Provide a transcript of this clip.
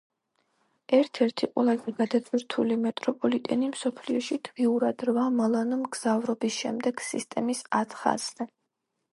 ერთ-ერთი ყველაზე გადატვირთული მეტროპოლიტენი მსოფლიოში დღიურად რვა მლნ მგზავრობის შემდეგ სისტემის ათ ხაზზე.